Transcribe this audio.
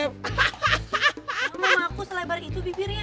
mama aku selebar itu bibirnya